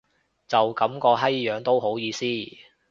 就噉個閪樣都好意思